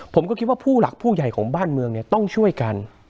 ผมก็คิดว่าผู้หลักผู้ใหญ่ของบ้านเมืองเนี่ยต้องช่วยกัน